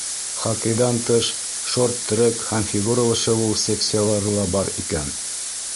Хоккейҙан тыш шорт-трек һәм фигуралы шыуыу секциялары ла бар икән.